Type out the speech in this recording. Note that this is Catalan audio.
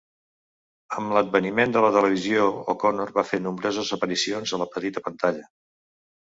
Amb l'adveniment de la televisió, O'Connor va fer nombroses aparicions a la petita pantalla.